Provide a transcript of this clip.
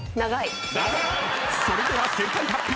［それでは正解発表］